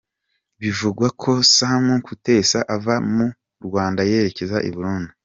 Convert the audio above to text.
Bivugwa ko Sam Kutesa ava mu Rwanda yerekeza I Burundi.